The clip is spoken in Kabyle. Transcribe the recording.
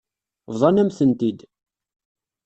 Bḍan-am-tent-id.